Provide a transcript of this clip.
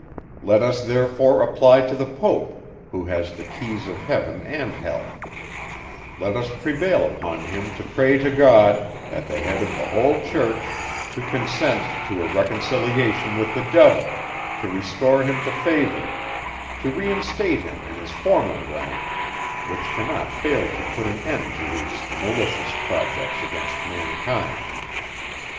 Let us therefore apply to the Pope, who has the keys of heaven and hell; let us prevail upon him to pray to God, at the head of the whole church, to consent to a reconciliation with the devil, to restore him to favour, to reinstate him in his former rank, which cannot fail to put an end to his malicious projects against mankind."